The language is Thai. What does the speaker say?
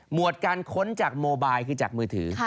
วดการค้นจากโมบายคือจากมือถือ